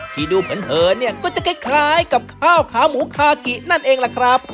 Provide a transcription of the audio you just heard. ที่ดูเผินเนี่ยก็จะคล้ายกับข้าวขาหมูคากินั่นเองล่ะครับ